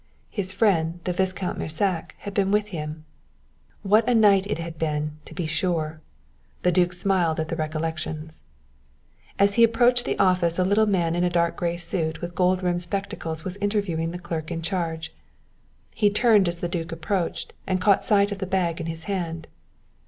His friend, the Viscount Mersac, had been with him. What a night it had been, to be sure! The duke smiled at the recollections. As he approached the office a little man in a dark grey suit and with gold rimmed spectacles was interviewing the clerk in charge. He turned as the duke approached, and caught sight of the bag in his hand.